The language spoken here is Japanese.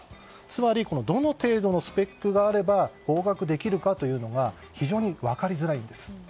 つまりどの程度のスペックがあれば合格できるかというのが非常に分かりづらいんです。